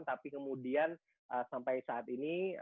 tapi kemudian sampai saat ini